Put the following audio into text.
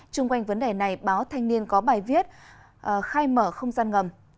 trung quanh vấn đề này báo thanh niên có bài viết khai mở không gian ngầm